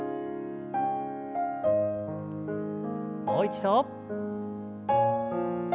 もう一度。